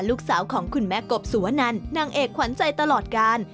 ลูกสาวของคุณแม่กบสุวนันนางเอกขวัญใจตลอดกาล